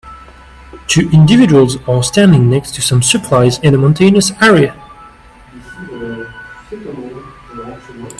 Two individuals are standing next to some supplies in a mountainous area.